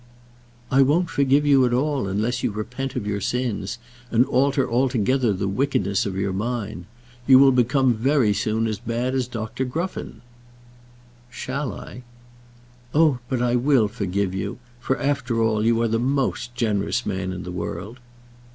"I won't forgive you at all, unless you repent of your sins, and alter altogether the wickedness of your mind. You will become very soon as bad as Dr. Gruffen." "Shall I?" "Oh, but I will forgive you; for after all, you are the most generous man in the world."